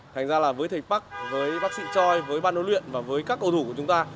thành ra là với thầy park với bác sĩ choi với ban đối luyện và với các cầu thủ của chúng ta